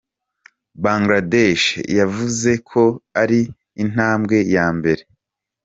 Bangladesh yavuze ko ari "intambwe ya mbere".